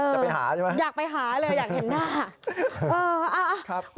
จะไปหาใช่ไหมอยากไปหาเลยอยากเห็นหน้า